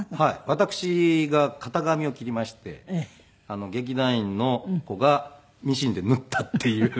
私が型紙を切りまして劇団員の子がミシンで縫ったっていう。